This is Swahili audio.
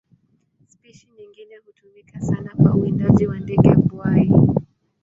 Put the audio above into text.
Spishi nyingine hutumika sana kwa uwindaji kwa ndege mbuai.